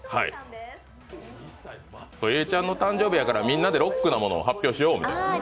永ちゃんの誕生日やからみんなでロックなものを発表しようみたいな。